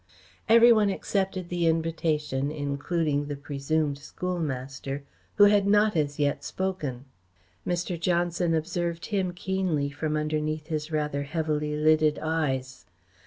Every one accepted the invitation, including the presumed schoolmaster, who had not as yet spoken. Mr. Johnson observed him keenly from underneath his rather heavily lidded eyes.